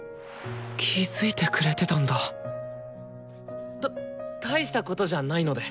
気付いてくれてたんだた大したことじゃないので。